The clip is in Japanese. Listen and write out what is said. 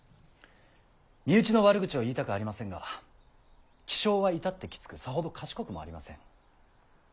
身内の悪口は言いたくありませんが気性は至ってきつくさほど賢くもありません。